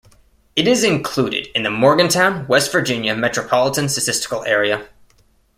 It is included in the Morgantown, West Virginia Metropolitan Statistical Area.